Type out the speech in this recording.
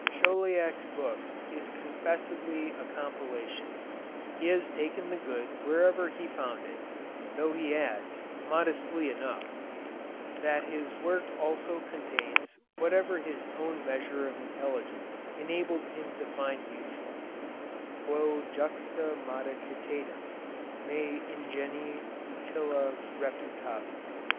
Chauliac's book is confessedly a compilation. He has taken the good wherever he found it, though he adds, modestly enough, that his work also contains whatever his own measure of intelligence enabled him to find useful (quæ juxta modicitatem mei ingenii utilia reputavi).